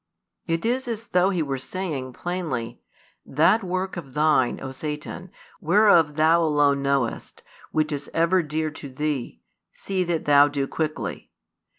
It is as though He were saying plainly: "That work of thine, O Satan, whereof thou alone knowest, and which is ever dear to thee, see that thou do quickly.